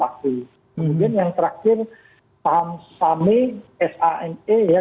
kemudian yang terakhir pamsame ya